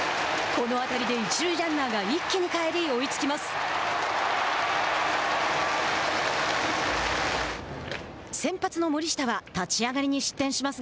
この当たりで一塁ランナーが一気に帰り、追いつきます。